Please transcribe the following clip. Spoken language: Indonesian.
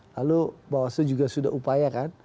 lalu bawaslu juga sudah upaya kan